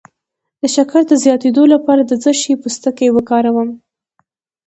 د شکر د زیاتیدو لپاره د څه شي پوستکی وکاروم؟